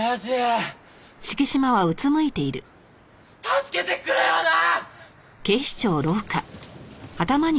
助けてくれよな！